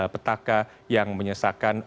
petaka yang menyesakan